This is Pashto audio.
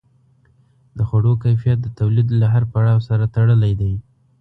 د خوړو کیفیت د تولید له هر پړاو سره تړلی دی.